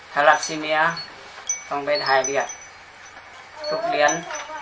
ทารัศิเมียต้องไปทายเรียกทุกเรียน